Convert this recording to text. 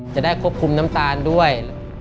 จะได้ควบคุมน้ำตาลด้วย